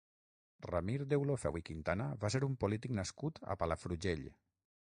Ramir Deulofeu i Quintana va ser un polític nascut a Palafrugell.